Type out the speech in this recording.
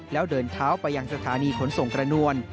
แล้วเดินเท้าไปยังสถานีขนส่งกระนวล